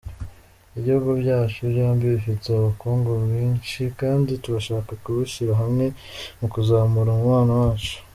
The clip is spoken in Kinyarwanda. Ibihugu byacu byombi bifite ubukungu bwinshi kandi turashaka kubushyira hamwe mu kuzamura umubano wacu.